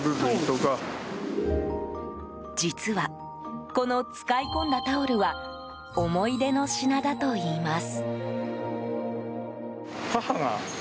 実は、この使い込んだタオルは思い出の品だといいます。